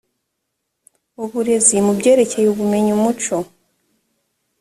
uburezi mu byerekeye ubumenyi umuco